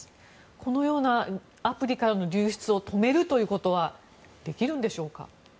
このようなアプリからの流出を止めるということはできるんでしょうか。